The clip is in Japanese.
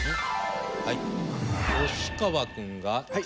はい吉川君が「Ｄ」。